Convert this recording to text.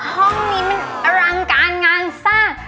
ห้องนี้มันอลังการงานสร้าง